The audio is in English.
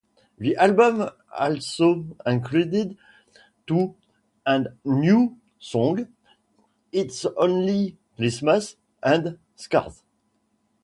The album also includes two and new songs, "Its Only Christmas" and "Scars".